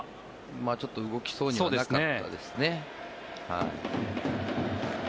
ちょっと動きそうにはなかったですね。